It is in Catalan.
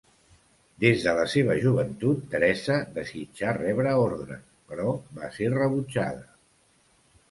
Des de la seva joventut, Teresa desitjà rebre ordres, però va ser rebutjada.